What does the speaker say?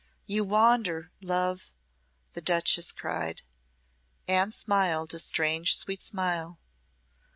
you wander, love," the duchess cried. Anne smiled a strange, sweet smile.